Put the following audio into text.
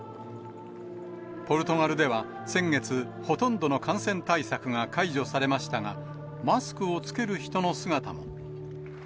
ポルトガルでは、先月、ほとんどの感染対策が解除されましたが、マスクを着ける人の姿も。